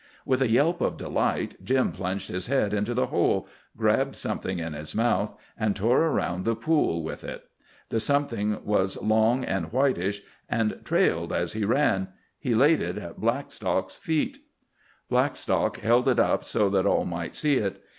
With a yelp of delight Jim plunged his head into the hole, grabbed something in his mouth, and tore around the pool with it. The something was long and whitish, and trailed as he ran. He laid it at Blackstock's feet. Blackstock held it up so that all might see it.